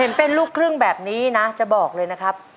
เห็นเป็นลูกครึ่งแบบนี้นะจะบอกเลยนะครับ